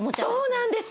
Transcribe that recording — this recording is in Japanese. そうなんです！